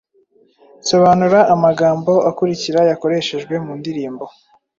Sobanura amagambo akurikira yakoreshejwe mu ndirimbo: